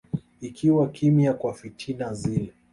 ikiwa kimya kwa fitna zile